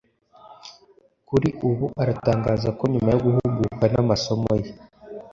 kuri ubu aratangaza ko nyuma yo guhuguka n’amasomo ye